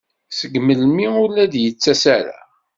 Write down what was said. Seg melmi ur la d-yettas ara?